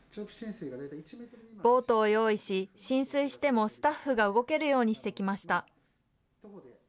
ボートを用意し、浸水してもスタッフが動けるようにしてきました。